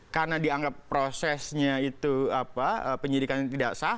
karena dianggap prosesnya itu penyidikan yang tidak sah